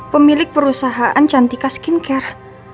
pemilik perusahaan cantika skincare